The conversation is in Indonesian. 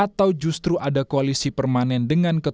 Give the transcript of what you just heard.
atau justru ada koalisi permanen dengan kekuatan